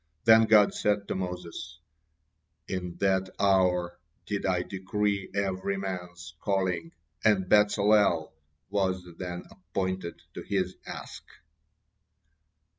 Then God said to Moses: "In that hour did I decree every man's calling, and Bezalel was then appointed to his task."